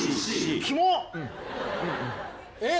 キモッ！えっ？